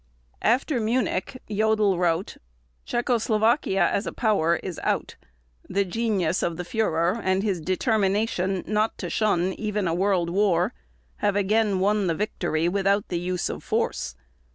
After Munich, Jodl wrote: "Czechoslovakia as a power is out .... The genius of the Führer and his determination not to shun even a World War have again won the victory without the use of force.